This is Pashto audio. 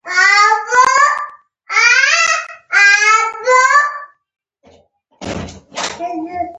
لندن او نیویارک کې لوی پانګه وال مېشت شوي دي